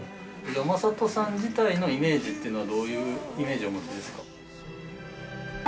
山里さん自体のイメージっていうのはどういうイメージをお持ちですか？